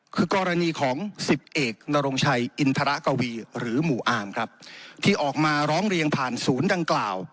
คือกรณีของสิบเอกนรงชัยอินทรกวีหรือหมู่อาร์มครับที่ออกมาร้องเรียนผ่านศูนย์ดังกล่าว